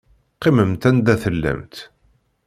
Qqimemt anda tellamt.